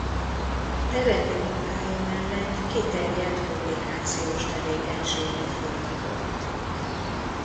Terepi munkája mellett kiterjedt publikációs tevékenységet folytatott.